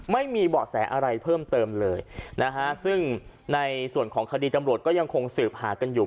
ไม่มีเบาะแสอะไรเพิ่มเติมเลยนะฮะซึ่งในส่วนของคดีตำรวจก็ยังคงสืบหากันอยู่